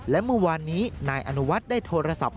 และเมื่อวานนี้นายอนุวัฒน์ได้โทรศัพท์